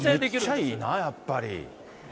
めっちゃいいな、やっぱり。